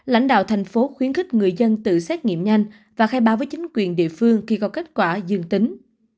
lãnh đạo thành phố khuyến khích người dân tự xét nghiệm nhanh và khai báo với chính quyền địa phương khi có kết quả dương tính